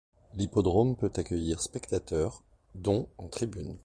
L'hippodrome peut accueillir spectateurs, dont en tribune.